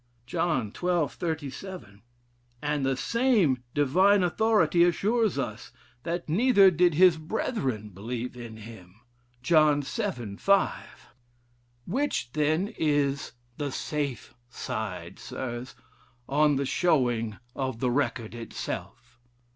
John xii. 37. And the same divine authority assures us that 'neither did his brethren believe in him.' John vii. 5. Which then is 'the safe side.' Sirs, on the showing of the record itself?